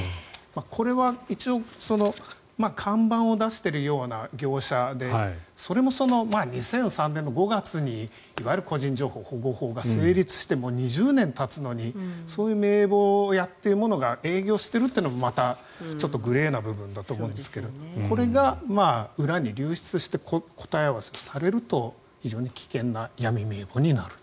これは一応看板を出しているような業者でそれも２００３年の５月にいわゆる個人情報保護法が成立して２０年たつのにそういう名簿屋というのが営業しているというのがまたちょっとグレーな部分だと思うんですがこれが裏に流出して答え合わせされると非常に危険な闇名簿になると。